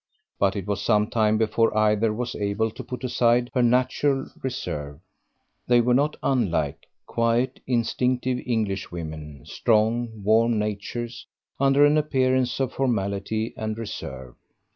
But it was some time before either was able to put aside her natural reserve. They were not unlike quiet, instinctive Englishwomen, strong, warm natures, under an appearance of formality and reserve.